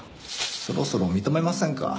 そろそろ認めませんか？